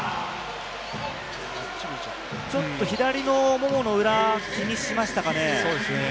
ちょっと左のももの裏、気にしましたかね。